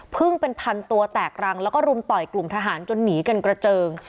พึ่งเป็นพันตัวแตกรังแล้วก็รุมต่อยกลุ่มทหารจนหนีกันกระเจิง